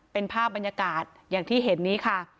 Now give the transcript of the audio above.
เป็นภาพบรรยากาศอย่างที่เห็นนี้ค่ะ